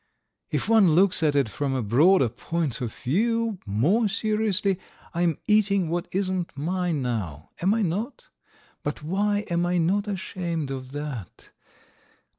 If one looks at it from a broader point of view, more seriously, I am eating what isn't mine now. Am I not? But why am I not ashamed of that.